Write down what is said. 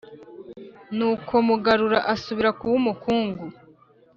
nuko mugarura asubira kuba umukungu,